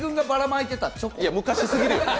いや、昔すぎるよ！